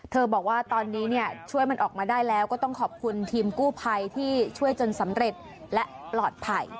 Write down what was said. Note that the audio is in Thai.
บอกว่าตอนนี้เนี่ยช่วยมันออกมาได้แล้วก็ต้องขอบคุณทีมกู้ภัยที่ช่วยจนสำเร็จและปลอดภัย